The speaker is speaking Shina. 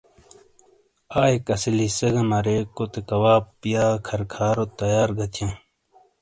۔آئیک اسیلی سے گہ مرے کوتے کواب/ کھر کھارو تیار گہ تھیاں۔